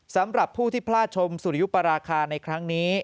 สำหรับผู้ที่พลาดชมสุริยุปราคาในครั้งนี้